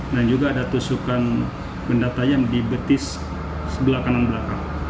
dan juga ada tusukan benda tajam di betis sebelah kanan belakang